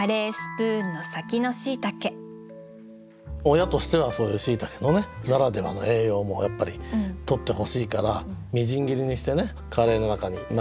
親としてはそういう椎茸のねならではの栄養もやっぱりとってほしいから微塵切りにしてねカレーの中に紛れさせてね。